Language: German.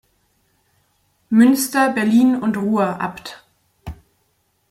Münster, Berlin und Ruhr, Abt.